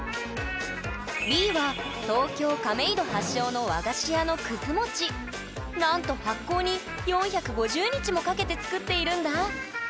Ｂは東京・亀戸発祥の和菓子屋のなんと発酵に４５０日もかけて作っているんだ！